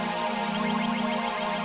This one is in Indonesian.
mbak dewi sama siapa mbak